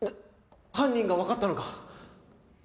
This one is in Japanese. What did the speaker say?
犯人がわかったのか？